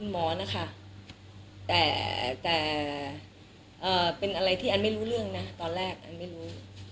หมอนะคะแต่เป็นอะไรที่อันไม่รู้เรื่องนะตอนแรกอันไม่รู้